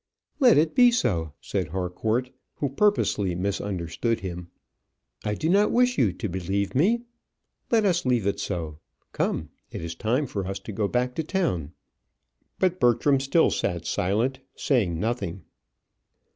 "Let it be so," said Harcourt, who purposely misunderstood him. "I do not wish you to believe me. Let us leave it so. Come, it is time for us to go back to town." But Bertram still sat silent, saying nothing.